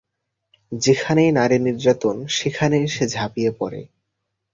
যেখানেই নারী নির্যাতন সেখানেই সে ঝাপিয়ে পড়ে।